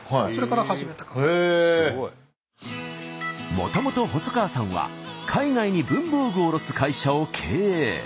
もともと細川さんは海外に文房具を卸す会社を経営。